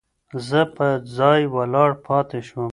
زه په ځای ولاړ پاتې شوم.